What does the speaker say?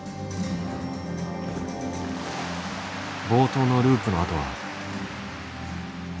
冒頭のループのあとは。